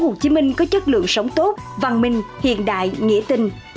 thành phố hồ chí minh có chất lượng sống tốt văn minh hiện đại nghĩa tình